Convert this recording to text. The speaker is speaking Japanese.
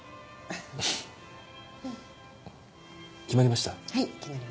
はい決まりました。